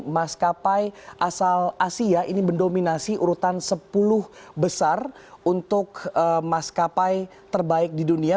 maskapai asal asia ini mendominasi urutan sepuluh besar untuk maskapai terbaik di dunia